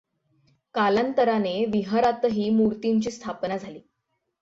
कालांतराने विहारांतही मूर्तींची स्थापना झाली.